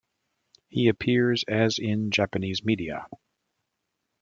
He appears as in Japanese media.